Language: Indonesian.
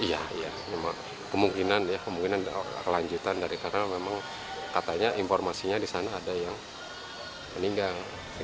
iya memang kemungkinan ya kemungkinan kelanjutan dari karena memang katanya informasinya di sana ada yang meninggal